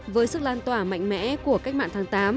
với sức lan tỏa mạnh mẽ của cách mạng tháng tám